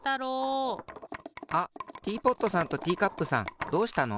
あっティーポットさんとティーカップさんどうしたの？